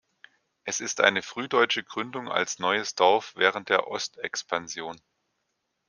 Es ist eine frühdeutsche Gründung als "neues Dorf" während der Ostexpansion.